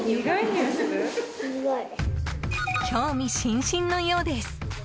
興味津々のようです。